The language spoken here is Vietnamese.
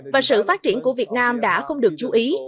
và sự phát triển của việt nam đã không được chú ý